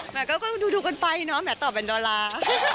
หมายถึงก็ดูกันไปเนาะหมายถึงตอบเป็นดอลลาร์